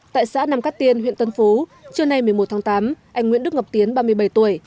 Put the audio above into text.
tại xã nam cát tiên huyện tân phú trưa nay một mươi một tháng tám anh nguyễn đức ngọc tiến ba mươi bảy tuổi